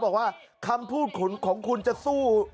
บอกว่าคำพูดของคุณจะสู้